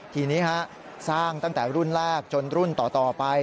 ทีนี้สร้างตั้งแต่รุ่นแรกจนรุ่นต่อไป